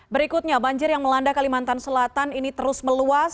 berikutnya banjir yang melanda kalimantan selatan ini terus meluas